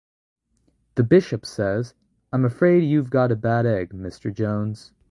The bishop says: I'm afraid you've got a bad egg, Mr Jones.